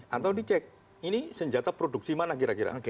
atau dicek ini senjata produksi mana kira kira